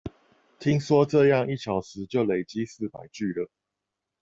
聽說這樣一小時就累積四百句了